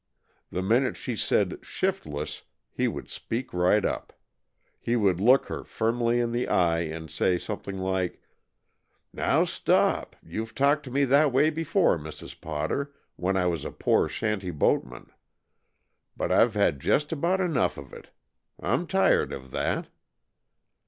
The minute she said "shiftless" he would speak right up. He would look her firmly in the eye and say something like "Now, stop! You've talked to me that way before, Mrs. Potter, when I was a poor shanty boatman, but I've had just about enough of it! I'm tired of that."